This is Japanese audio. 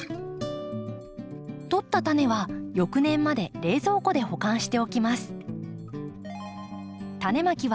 とった種は翌年まで冷蔵庫で保管しておきます。